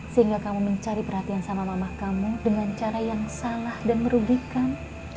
sehingga kamu mencari perhatian sama mama kamu dengan cara yang salah dan merugikan